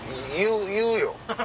言うよ。